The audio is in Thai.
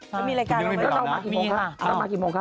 ไม่มีรายการแล้วเรามากี่โมงค่ะ